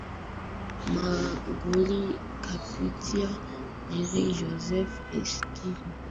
magoli kupitia henry joseph eshindika